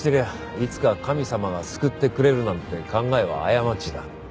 いつか神様が救ってくれるなんて考えは過ちだ。